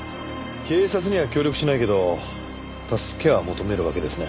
警察には協力しないけど助けは求めるわけですね。